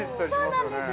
◆そうなんです。